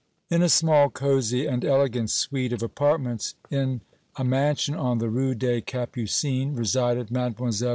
In a small but cosy and elegant suite of apartments in a mansion on the Rue des Capucines resided Mlle.